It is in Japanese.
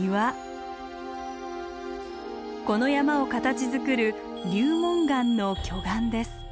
この山を形づくる流紋岩の巨岩です。